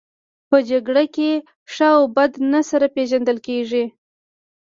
په جګړه کې ښه او بد نه سره پېژندل کیږي